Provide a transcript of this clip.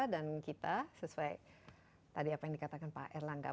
dan kita sesuai tadi apa yang dikatakan pak erlangga